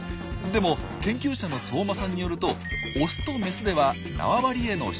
でも研究者の相馬さんによるとオスとメスでは縄張りへの執着心が違うというんです。